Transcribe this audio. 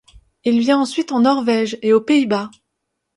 Il vient ensuite en Norvège et aux Pays-Bas.